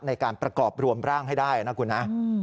ในการประกอบรวมร่างให้ได้นะคุณนะ